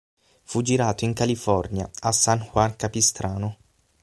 Fu girato in California, a San Juan Capistrano.